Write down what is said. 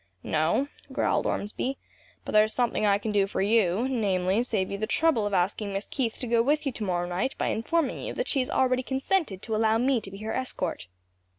"No," growled Ormsby, "but there's something I can do for you; namely, save you the trouble of asking Miss Keith to go with you to morrow night by informing you that she has already consented to allow me to be her escort."